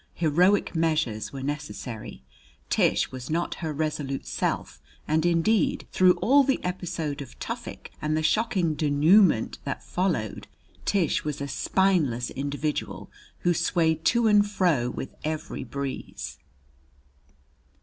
Heroic measures were necessary: Tish was not her resolute self; and, indeed, through all the episode of Tufik, and the shocking denouement that followed, Tish was a spineless individual who swayed to and fro with every breeze.